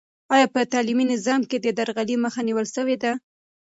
آیا په تعلیمي نظام کې د درغلۍ مخه نیول سوې ده؟